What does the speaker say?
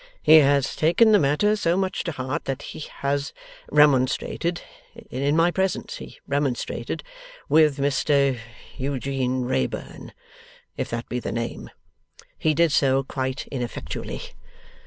He has taken the matter so much to heart that he has remonstrated (in my presence he remonstrated) with Mr Eugene Wrayburn, if that be the name. He did so, quite ineffectually.